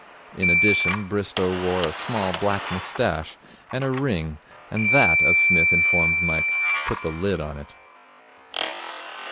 In addition, Bristow wore a small black moustache and a ring and that, as Psmith informed Mike, put the lid on it.